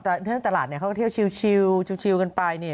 ท่านท่านตลาดเขาก็เที่ยวชิลกันไป